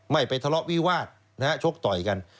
ไม่ไปทะเลาะวิวาสชกต่อยกัน